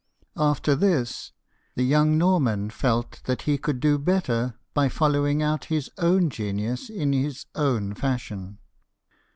After this, the young Norman felt that he could do better by following out his own genius in his own fashion.